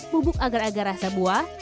bubuk agar agar rasa buah